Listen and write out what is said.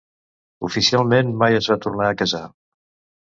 Oficialment mai es va tornar a casar.